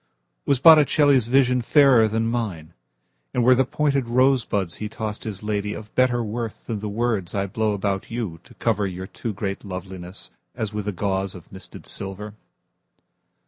Was Botticelli's visionFairer than mine; And were the pointed rosebudsHe tossed his ladyOf better worthThan the words I blow about youTo cover your too great lovelinessAs with a gauzeOf misted silver?